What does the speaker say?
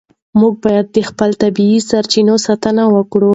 موږ باید د خپلو طبیعي سرچینو ساتنه وکړو.